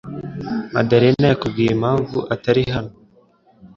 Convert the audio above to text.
Madalena yakubwiye impamvu atari hano?